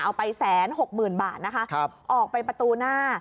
เอาไปแสนหกหมื่นบาทนะคะครับออกไปประตูหน้า